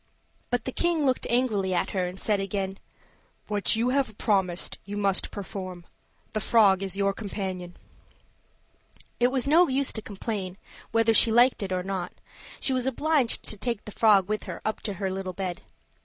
But the king looked angrily at her, and said again: "What you have promised you must perform. The frog is your companion." It was no use to complain; whether she liked it or not, she was obliged to take the frog with her up to her little bed.